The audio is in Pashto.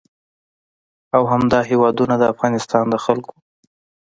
او همدا هېوادونه د افغانستان د خلکو